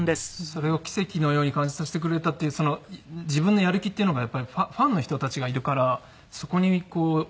それを奇跡のように感じさせてくれたっていう自分のやる気っていうのがやっぱりファンの人たちがいるからそこに恩返しをしなきゃ。